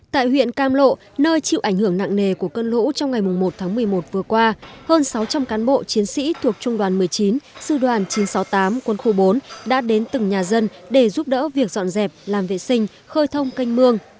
tại huyện cam lộ nơi chịu ảnh hưởng nặng nề của cơn lũ trong ngày một tháng một mươi một vừa qua hơn sáu trăm linh cán bộ chiến sĩ thuộc trung đoàn một mươi chín sư đoàn chín trăm sáu mươi tám quân khu bốn đã đến từng nhà dân để giúp đỡ việc dọn dẹp làm vệ sinh khơi thông canh mương